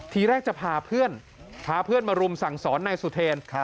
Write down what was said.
ทีแรกจะพาเพื่อนพาเพื่อนมารุมสั่งสอนนายสุเทรน